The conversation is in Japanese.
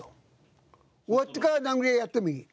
終わってから殴り合いやってもいい。